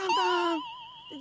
aku juga nggak tau